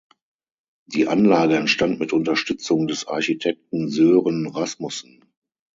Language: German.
Die Anlage entstand mit Unterstützung des Architekten Sören Rasmussen.